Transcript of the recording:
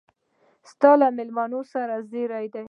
ستا له مېلمنو سره زېري دي.